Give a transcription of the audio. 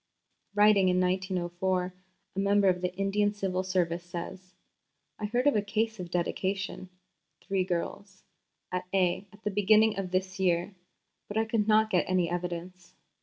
Writing in 1904, a member of the Indian Civil Service says: "I heard of a case of dedication (three girls) at A. at the beginning of this year, but I could not get any evidence.